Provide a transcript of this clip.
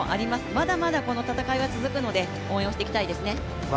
まだまだこの戦いは続くので、応援していきたいですね。